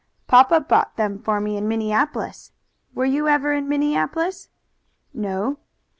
"Papa bought them for me in Minneapolis. Were you ever in Minneapolis?" "No."